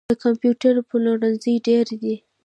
د کمپیوټر پلورنځي ډیر دي